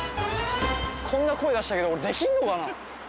こんな声出したけど俺できんのかな？